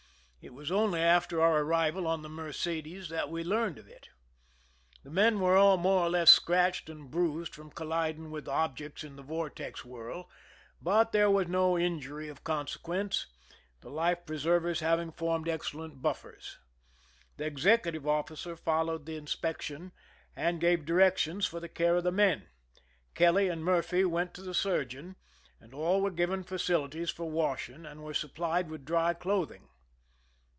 It was only after our arrival on the Mercedes that we learned of it. The men were all more or less scratched and bruised from colliding with objects in the vortex whirl, but there was no injury of consequence, the life pre servers having formed excellent buffers. The ex ecutive officer followed the inspection, and gave directions for the care of the men. Kelly and Murphy went to the surgeon, and all were given facilities for washing and were supplied with dry clothing..